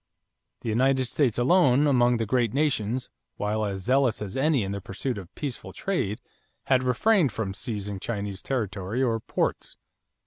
The United States alone among the great nations, while as zealous as any in the pursuit of peaceful trade, had refrained from seizing Chinese territory or ports.